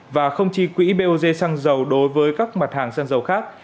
và không chi quỹ bog xăng dầu đối với các mặt hàng xăng dầu khác